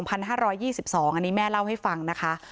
อันนี้แม่เล่าให้ฟังนะคะ